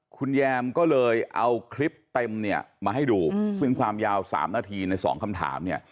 คุณแยมก็เลยเอาคลิปเต็มเนี่ยมาให้ดูซึ่งความยาว๓นาทีในสองคำถามเนี่ย